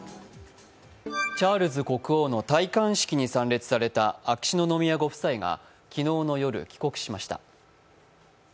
チャールズ国王の戴冠式に参列された秋篠宮ご夫妻は昨日の夜、帰国しました。